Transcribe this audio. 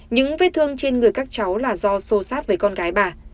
những vết thương trên người các cháu là do sô sát với con gái bà